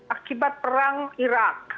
akibat perang irak